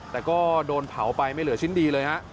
แต่ก็โดนเผาไปไม่เหลือชิ้นดีเลยฮะ